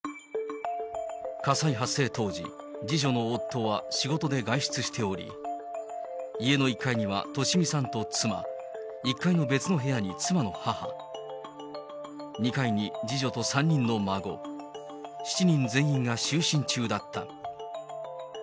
火災発生当時、次女の夫は仕事で外出しており、家の１階には利美さんと妻、１階の別の部屋に妻の母、２階に次女と３人の孫、７人全員が就寝中だった。